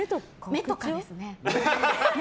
目とかですね。